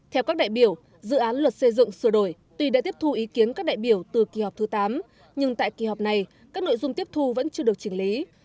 theo các đại biểu dự án luật xây dựng sửa đổi tuy đã tiếp thu ý kiến các đại biểu từ kỳ họp thứ tám nhưng tại kỳ họp này các nội dung tiếp thu vẫn chưa được chỉnh lý